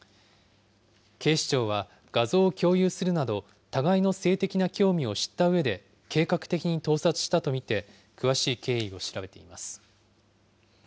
警視庁は画像を共有するなど互いの性的な興味を知ったうえで、計画的に盗撮したと見て、詳しい経緯を調べています。